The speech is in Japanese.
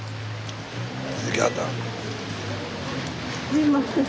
すいません。